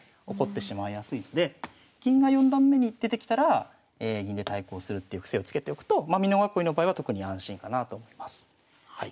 起こってしまいやすいので銀が４段目に出てきたら銀で対抗するっていう癖をつけておくと美濃囲いの場合は特に安心かなあと思います。